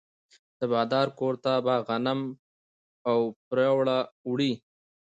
د بادار کور ته به غنم او پروړه وړي.